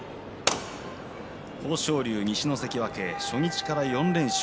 豊昇龍、西の関脇初日から４連勝